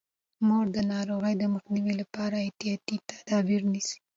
مور د ناروغۍ مخنیوي لپاره احتیاطي تدابیر نیسي.